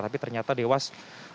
tapi ternyata dewas